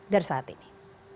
dari saat ini